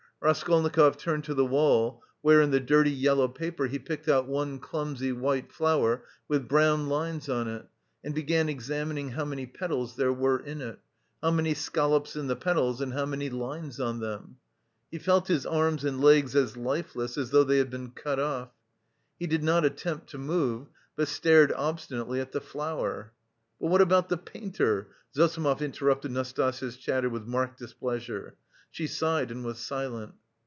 Raskolnikov turned to the wall where in the dirty, yellow paper he picked out one clumsy, white flower with brown lines on it and began examining how many petals there were in it, how many scallops in the petals and how many lines on them. He felt his arms and legs as lifeless as though they had been cut off. He did not attempt to move, but stared obstinately at the flower. "But what about the painter?" Zossimov interrupted Nastasya's chatter with marked displeasure. She sighed and was silent.